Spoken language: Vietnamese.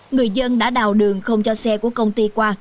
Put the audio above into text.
người dân đã đào đường không cho xe của công ty qua